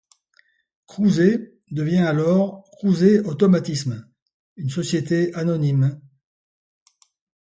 Crouzet devient alors Crouzet Automatismes, une société anonyme.